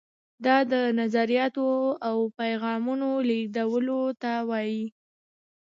دا د نظریاتو او پیغامونو لیږدولو ته وایي.